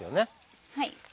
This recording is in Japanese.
はい。